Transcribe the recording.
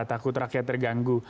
takut rakyat terganggu